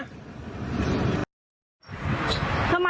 หัวเขาว่ะ